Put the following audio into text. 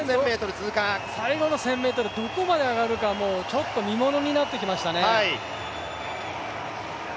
最後の１０００ｍどこまで上がるかちょっと見物になってきましたね。